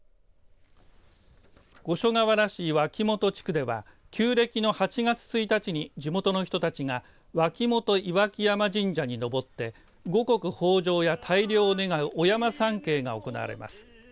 五所川原市脇元地区では旧暦の８月１日に地元の人たちが脇元岩木山神社に登って五穀豊穣や大漁を願うお山参詣が行われます。